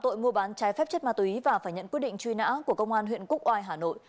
trái phép chất ma túy và phải nhận quy định truy nã của công an huyện cúc oai hà nội